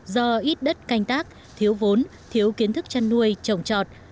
do ít đất canh tác thiếu vốn thiếu kiến thức chăn nuôi trồng trọt